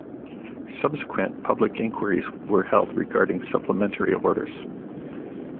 Subsequent public inquiries were held regarding Supplementary Orders.